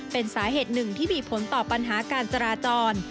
เป็นสาเหตุหนึ่งที่มีผลต่อปัญหาการจราจร